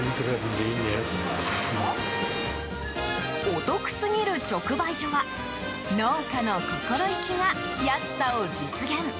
お得すぎる直売所は農家の心意気が安さを実現。